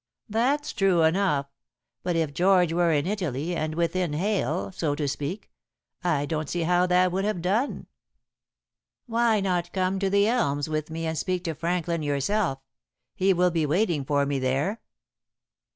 "That's true enough. Yet if George were in Italy and within hail, so to speak, I don't see how that would have done. Why not come to The Elms with me and speak to Franklin yourself? He will be waiting for me there."